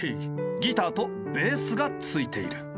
ギターとベースが付いている。